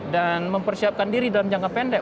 dan mempersiapkan diri dalam jangka pendek